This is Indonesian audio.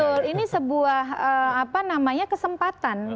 betul ini sebuah apa namanya kesempatan